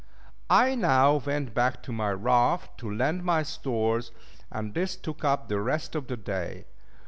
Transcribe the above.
I now went back to my raft to land my stores, and this took up the rest of the day.